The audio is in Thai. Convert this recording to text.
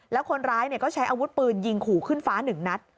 แล้วคนร้ายก็ใช้อาวุธปืนยิงขู่ขึ้นฟ้า๑นัด